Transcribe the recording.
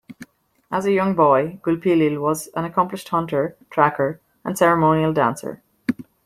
As a young boy, Gulpilil was an accomplished hunter, tracker and ceremonial dancer.